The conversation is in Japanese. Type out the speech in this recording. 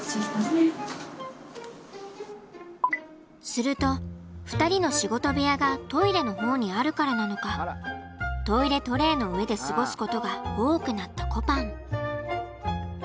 すると２人の仕事部屋がトイレの方にあるからなのかトイレトレーの上で過ごすことが多くなったこぱん。